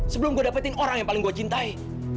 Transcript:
sebelum gue dapetin orang yang paling gue cintai